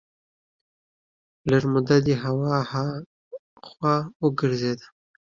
لږه موده دې خوا ها خوا وګرځېد.